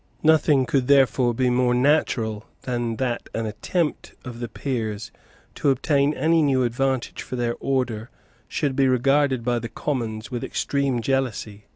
Nothing could therefore be more natural than that an attempt of the Peers to obtain any new advantage for their order should be regarded by the Commons with extreme jealousy.